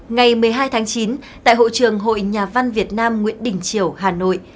ngày một mươi hai tháng chín tại hội trường hội nhà văn việt nam nguyễn đình triều hà nội